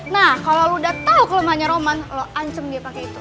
nah kalau lo udah tau kelemahannya roman lo ancem dia pakai itu